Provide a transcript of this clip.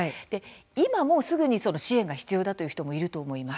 今もうすぐに支援が必要だという人もいると思います。